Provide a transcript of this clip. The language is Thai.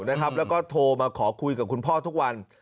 แล้วก็โทรมาขอคุยกับคุณพ่อทุกวัน